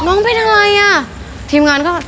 น้องเป็นอะไรอ่ะทีมงานก็